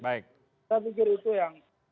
saya pikir itu yang